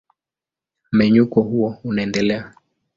Mmenyuko huo unaendelea.